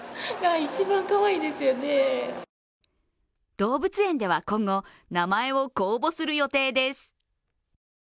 動物園では今後、名前を公募する予定です。